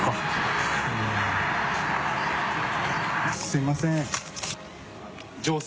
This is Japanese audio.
すみません。